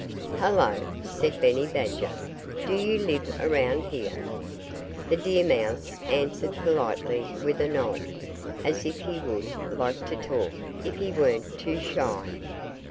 "Hullo!" said Benny Badger. "Do you live around here?" The deer mouse answered politely with a nod, as if he would like to talk, if he weren't too shy.